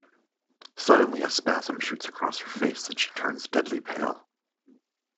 Suddenly a spasm shoots across her face and she turns deadly pale.